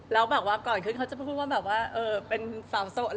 แล้วก่อนเขาจะพูดว่าเป็นสาวโสด